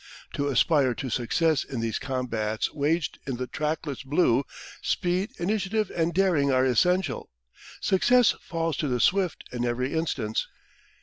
To aspire to success in these combats waged in the trackless blue, speed, initiative, and daring are essential. Success falls to the swift in every instance.